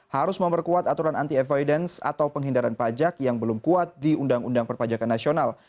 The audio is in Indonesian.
harus memperkuat aturan anti evidence atau penghindaran pajak yang belum kuat di undang undang perpajakan nasional